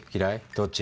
どっち？